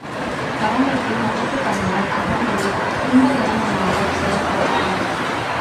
கடமைக்கு மதிப்புத் தந்ததால் அவன் ஒரு கும்பகருணனாகச் செயல்பட்டான்.